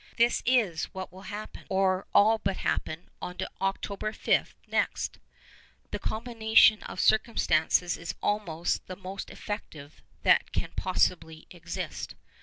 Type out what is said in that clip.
This is what will happen, or all but happen, on October 5 next. The combination of circumstances is almost the most effective that can possibly exist.